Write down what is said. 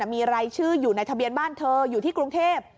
มีรายชื่ออยู่ในทะเบียนบ้านเธออยู่ที่กรุงเทพ